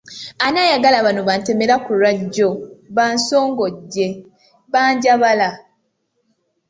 Ani ayagala bano ba ntemera ku lwajjo, ba nsonjoge, ba Njabala?